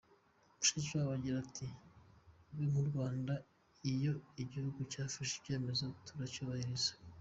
Mishikiwabo agira ati "Twebwe nk’u Rwanda, iyo igihugu cyafashe icyemezo turacyubahiriza.